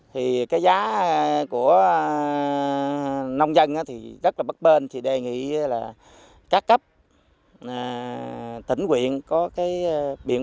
thì cái giá của nông dân thì rất là bất bên